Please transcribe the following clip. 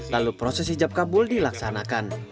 lalu proses hijab kabul dilaksanakan